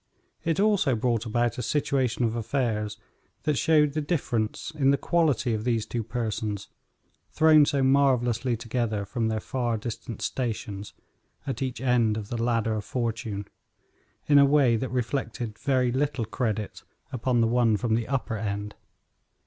It also brought about a situation of affairs that showed the difference in the quality of these two persons thrown so marvelously together from their far distant stations at each end of the ladder of fortune, in a way that reflected very little credit upon the one from the upper end.